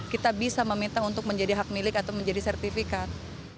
kita bisa meminta untuk menjadi hak milik atau menjadi sertifikat